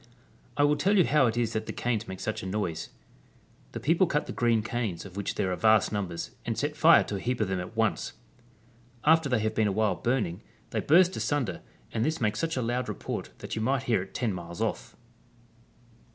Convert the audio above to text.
I will tell vou iiow it is tiiat the canes make sucii a noise. The j)eople cut the green canes, of which there are vast numbers, and set fire to a heap of them at once. After Chap. XLV. THE PROVINCE OF TEBET. 2/ they have been awhile burning they burst asunder, and this makes such a loud report that you might hear it ten miles off.